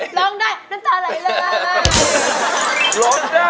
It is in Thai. ร้องได้น้ำตาไหลเลย